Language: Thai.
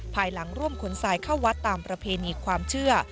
ภายหลังร่วมขนทรายเข้าวัดตามประเพณีความเชื่อ